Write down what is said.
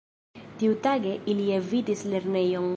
Tiutage ili evitis lernejon.